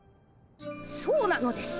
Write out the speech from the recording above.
そうなのです。